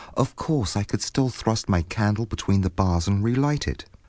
Of course I could still thrust my candle between the bars and relight it.